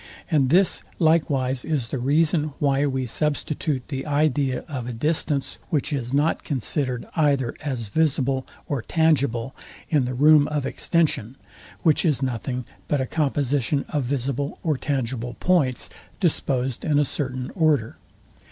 And this likewise is the reason, why we substitute the idea of a distance, which is not considered either as visible or tangible, in the room of extension, which is nothing but a composition of visible or tangible points disposed in a certain order.